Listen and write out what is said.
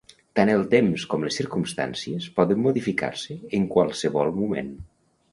Tant el temps com les circumstàncies poden modificar-se en qualsevol moment.